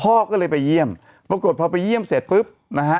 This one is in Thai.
พ่อก็เลยไปเยี่ยมปรากฏพอไปเยี่ยมเสร็จปุ๊บนะฮะ